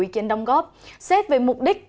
ý kiến đồng góp xét về mục đích